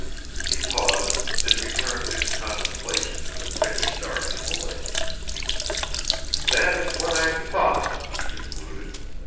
He paused, and returned his contemplation to the fish darting in the lake. "That is what I thought," he concluded.